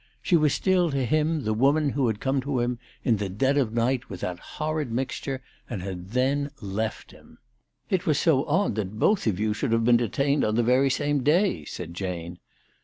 She was still to him the woman who had come to him in the dead of night with that horrid mixture, and had then left him. " It was so odd that both of you should have been detained on the very same day," said Jane.